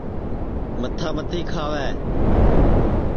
متھا متی کھاوے